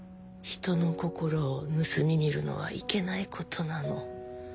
人の心を盗み見るのはいけないことなの。